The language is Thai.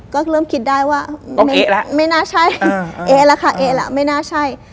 ก็เริ่มคิดได้ว่าต้องเอละไม่น่าใช่เอละค่ะเอละไม่น่าใช่